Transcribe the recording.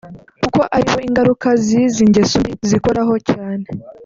kuko aribo ingaruka z’izi ngeso mbi zikoraho cyane